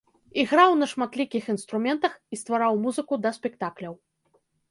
Іграў на шматлікіх інструментах і ствараў музыку да спектакляў.